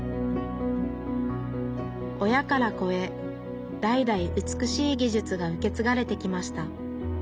親から子へ代々美しい技術が受け継がれてきました。